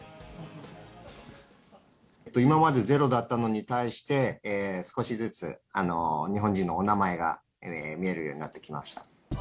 今までゼロだったのに対して、少しずつ日本人のお名前が見えるようになってきました。